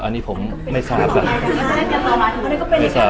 อ่ะอันนี้ผมขออนุญาตไม่ตอบได้ไหมครับ